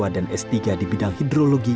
dan s tiga di bidang hidrologi